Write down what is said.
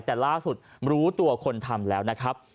แต่ล่าสุดรู้ตัวคนทำแล้วนะครับ